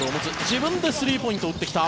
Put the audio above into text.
自分でスリーポイントを打ってきた。